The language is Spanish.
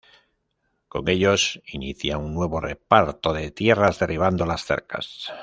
Con ellos inicia un nuevo reparto de tierras derribando las cercas.